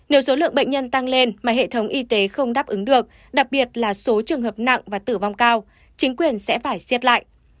nếu số lượng bệnh nhân tăng lên mà hệ thống y tế không đáp ứng được đặc biệt là số trường hợp nặng và tử vong cao chính quyền sẽ phải xiết lại